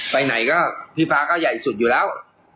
ไปไหนก็พี่ฟ้าก็ใหญ่สุดอยู่แล้ว